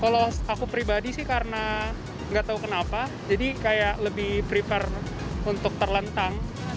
kalau aku pribadi sih karena nggak tahu kenapa jadi kayak lebih prefer untuk terlentang